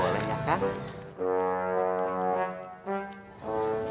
boleh ya kang